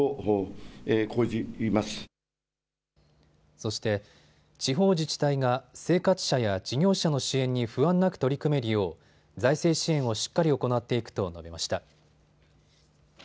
そして、地方自治体が生活者や事業者の支援に不安なく取り組めるよう財政支援をしっかり行っていくと述べました。